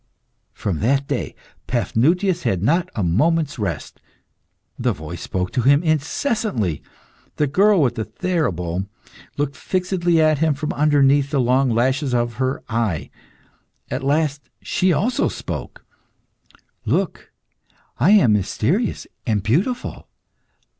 From that day, Paphnutius had not a moment's rest. The voice spoke to him incessantly. The girl with the theorbo looked fixedly at him from underneath the long lashes of her eye. At last she also spoke "Look. I am mysterious and beautiful.